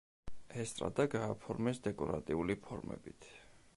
ესტრადა გააფორმეს დეკორატიული ფორმებით.